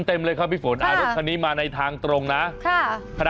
เต็มเลยครับพี่ฝนอ่ารถคันนี้มาในทางตรงนะค่ะ